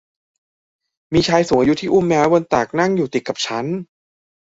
มีชายสูงอายุที่อุ้มแมวไว้บนตักนั่งอยู่ติดกับฉัน